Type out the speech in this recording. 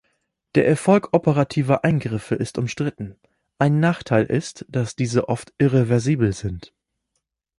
Der Erfolg operativer Eingriffe ist umstritten; ein Nachteil ist, dass diese oft irreversibel sind.